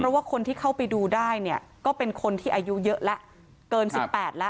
เพราะว่าคนที่เข้าไปดูได้เนี่ยก็เป็นคนที่อายุเยอะแล้วเกิน๑๘แล้ว